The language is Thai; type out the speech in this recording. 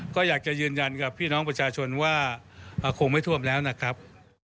ก็อยากจะยืนยันกับพี่น้องประชาชนว่าคงไม่ท่วมแล้วนะครับ